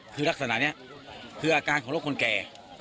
คือลักษณะนี้คืออาการของโรคคนแก่